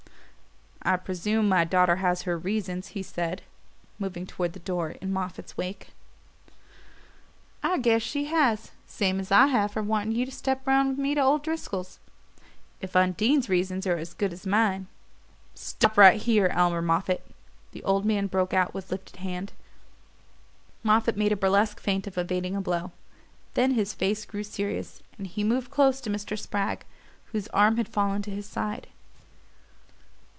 "I presume my daughter has her reasons," he said, moving toward the door in Moffatt's wake. "I guess she has same as I have for wanting you to step round with me to old Driscoll's. If Undine's reasons are as good as mine " "Stop right here, Elmer Moffatt!" the older man broke out with lifted hand. Moffatt made a burlesque feint of evading a blow; then his face grew serious, and he moved close to Mr. Spragg, whose arm had fallen to his side.